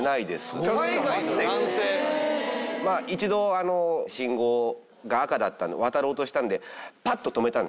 まあ一度あの信号が赤だったの渡ろうとしたんでぱっと止めた。